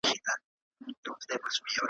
له مانه کیږي دا لاري په سکروټو کي مزلونه `